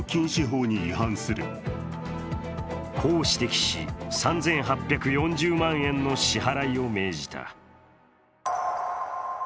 判決ではこう指摘し、３８４０万円の支払いを命じた。